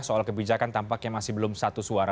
soal kebijakan tampaknya masih belum satu suara